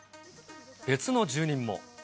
別の住人も。